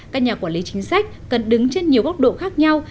các nhà quản lý chính sách cần đứng trên nhiều góc độ khác nhau